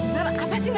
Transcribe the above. nara apa sih nara